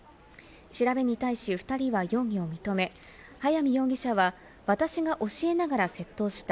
調べに対し２人は容疑を認め、早見容疑者は私が教えながら窃盗した。